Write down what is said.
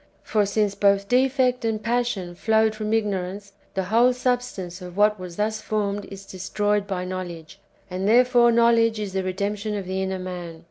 For since both defect and passion flowed from ignorance, the whole substance of what was thus formed is destroyed by knowledge ; and therefore knowledge is the redemption of the inner man.